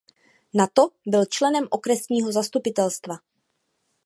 Nato byl členem okresního zastupitelstva.